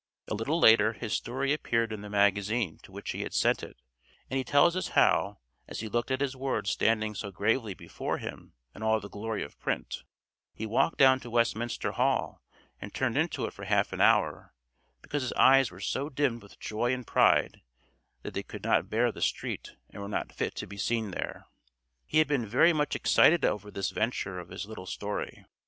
A little later his story appeared in the magazine to which he had sent it, and he tells us how, as he looked at his words standing so gravely before him in all the glory of print, he walked down to Westminster Hall and turned into it for half an hour, because his eyes "were so dimmed with joy and pride that they could not bear the street and were not fit to be seen there." He had been very much excited over this venture of his little story.